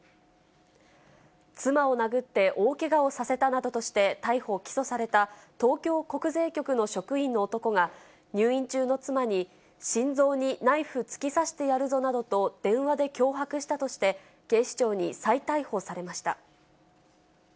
妻を殴って、大けがをさせたなどとして、逮捕・起訴された東京国税局の職員の男が、入院中の妻に、心臓にナイフ突き刺してやるぞなどと電話で脅迫したとして、警視庁に再逮捕されました。